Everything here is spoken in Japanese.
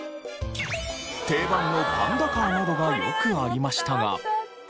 定番のパンダカーなどがよくありましたが。